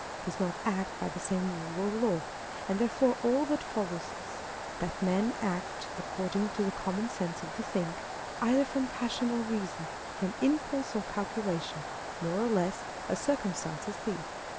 does not act by the same rule or law ; and therefore all that follows is, that men act (according to the common sense of the thing) either from pussion or reason, from impulse or calculation, more or less, as circumstances lead.